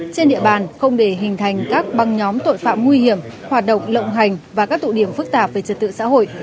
trên địa bàn không để hình thành các băng nhóm tội phạm nguy hiểm hoạt động lộng hành và các tụ điểm phức tạp về trật tự xã hội